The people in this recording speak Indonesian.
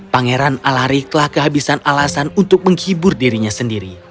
pangeran alari telah kehabisan alasan untuk menghibur dirinya sendiri